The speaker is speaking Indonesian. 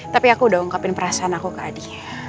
tapi aku udah ungkapin perasaan aku ke adik